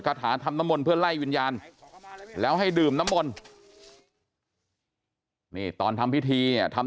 ถาทำน้ำมนต์เพื่อไล่วิญญาณแล้วให้ดื่มน้ำมนต์นี่ตอนทำพิธีเนี่ยทำ